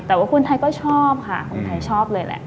แต่ว่าคนไทยก็ชอบค่ะคนไทยชอบเลยแหละ